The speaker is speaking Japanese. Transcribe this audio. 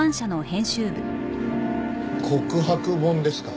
告白本ですか？